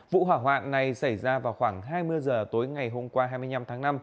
vụ hỏa hoạn này xảy ra vào khoảng hai mươi giờ tối ngày hôm qua hai mươi năm tháng năm